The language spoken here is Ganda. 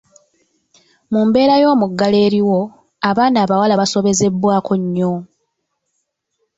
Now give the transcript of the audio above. Mu mbeera y’omuggalo eriwo, abaana abawala basobezebwako nnyo.